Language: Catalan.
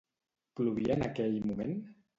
Plovia en aquell moment?